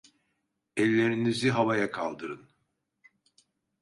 Ellerinizi havaya kaldırın!